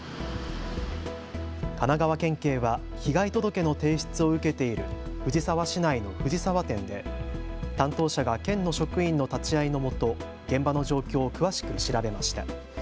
神奈川県警は被害届の提出を受けている藤沢市内の藤沢店で担当者が県の職員の立ち会いのもと現場の状況を詳しく調べました。